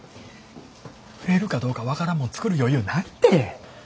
売れるかどうか分からんもん作る余裕ないて。